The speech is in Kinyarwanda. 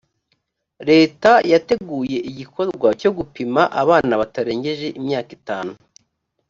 leta yateguye igikorwa cyo gupima abana batarengeje imyaka itanu